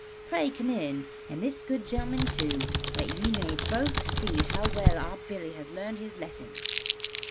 Pray come in, and this good gentleman too, that ye may both see 6 OLD, OLD FAIRY TALES. how well our Billy has learned his lessons.'